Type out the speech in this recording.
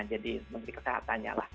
jadi memberi kesehatannya lah